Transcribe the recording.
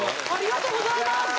ありがとうございます。